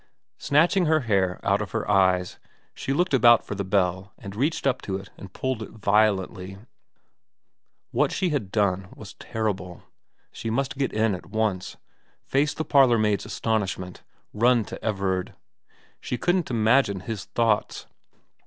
Snatching her hair out of her eyes, she looked about for the bell and reached up to it and pulled it violently. What she had done was terrible. She must get in at once, face the parlourmaid's astonishment, run to Everard. She couldn't imagine his thoughts.